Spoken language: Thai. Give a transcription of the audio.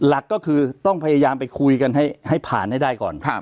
หลักก็คือต้องพยายามไปคุยกันให้ผ่านให้ได้ก่อน